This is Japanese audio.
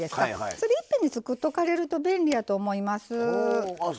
それいっぺんに作っておかれると便利やと思います。